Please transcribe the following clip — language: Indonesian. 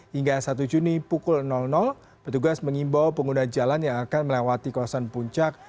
hingga satu juni pukul petugas mengimbau pengguna jalan yang akan melewati kawasan puncak